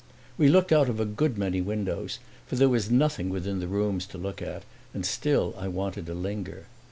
We looked out of a good many windows, for there was nothing within the rooms to look at, and still I wanted to linger.